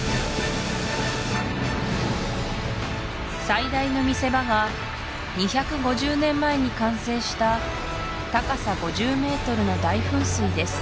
最大の見せ場が２５０年前に完成した高さ５０ｍの大噴水です